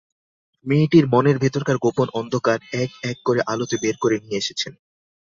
মেয়েটির মনের ভেতরকার গোপন অন্ধকার এক-এক করে আলোতে বের করে নিয়ে এসেছেন।